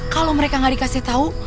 kalo mereka gak dikasih tau